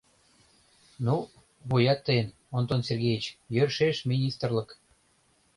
Ну, вуят тыйын, Онтон Сергеич, йӧршеш министрлык.